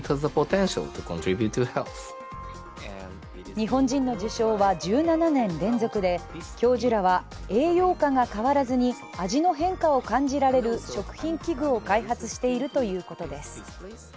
日本人の受賞は１７年連続で、教授らは栄養価が変わらずに味の変化を感じられる食品器具を開発しているということです。